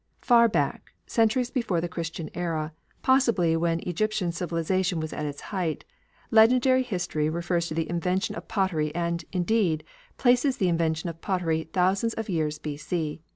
Far back, centuries before the Christian era, possibly when Egyptian civilisation was at its height, legendary history refers to the invention of pottery and, indeed, places the invention of pottery thousands of years B.C.